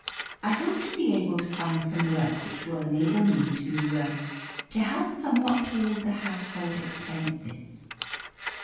I hope to be able to find some work which will enable me to to help somewhat towards the household expenses."